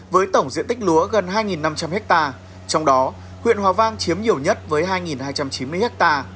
với tổng diện tích lúa gần hai năm trăm linh ha trong đó huyện hòa vang chiếm nhiều nhất với hai hai trăm chín mươi ha